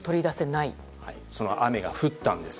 その雨が降ったんです。